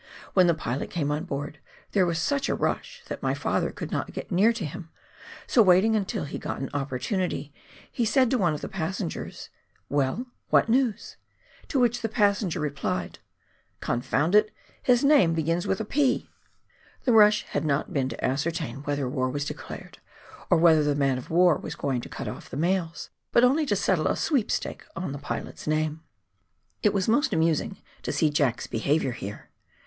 When the pilot came on board, there was such a rush that my father could not get near to him, so waiting until he got an opportunity, he said to one of the passengers, " Well, what news ?" to which the passenger replied, " Confound it, his name begins with a 224 PIONEER WORK IN THE ALPS OF NEW ZEALAND. P !" The rush had not been to ascertain whether war was declared, or whether the man of war was going to cut off the mails — but only to settle a sweepstake on the pilot's name ! It was most amusing to see " Jack's " behaviour here.